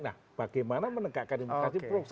nah bagaimana menegakkan demokrasi